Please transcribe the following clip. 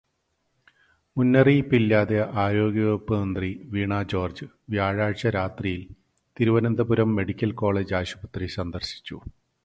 മുന്നറിയിപ്പില്ലാതെ ആരോഗ്യവകുപ്പ് മന്ത്രി വീണാ ജോര്ജ് വ്യാഴാഴ്ച രാത്രിയില് തിരുവനന്തപുരം മെഡിക്കല് കോളേജ് ആശുപത്രി സന്ദര്ശിച്ചു.